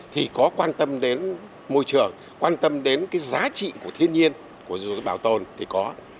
thì có quan tâm đến môi trường quan tâm đến cái giá trị của thiên nhiên của dù bảo tồn thì có